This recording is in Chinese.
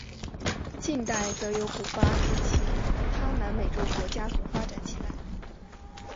近代则由古巴及其他南美洲国家所发展起来。